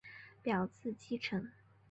表字稷臣。